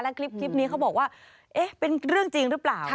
คลิปนี้เขาบอกว่าเอ๊ะเป็นเรื่องจริงหรือเปล่า